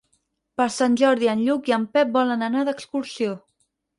Per Sant Jordi en Lluc i en Pep volen anar d'excursió.